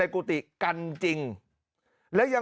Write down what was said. มีพฤติกรรมเสพเมถุนกัน